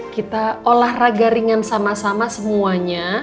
kita olahraga ringan sama sama semuanya